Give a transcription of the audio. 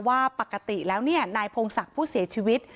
ว่าปกติแล้วนายพงศักดิ์ผู้เสียชีวิต